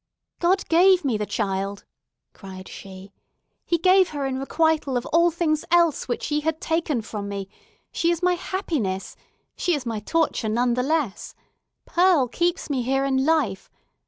"God gave me the child!" cried she. "He gave her in requital of all things else which ye had taken from me. She is my happiness—she is my torture, none the less! Pearl keeps me here in life!